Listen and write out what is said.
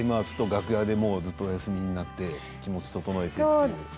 楽屋で、ずっとお休みになって気持ちを整えて？